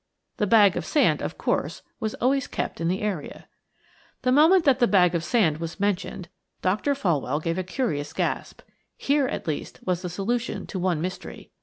The bag of sand, of course, was always kept in the area. The moment that bag of sand was mentioned Dr. Folwell gave a curious gasp. Here, at least, was the solution to one mystery.